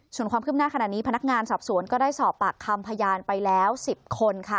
ส่วนความคืบหน้าขณะนี้พนักงานสอบสวนก็ได้สอบปากคำพยานไปแล้ว๑๐คนค่ะ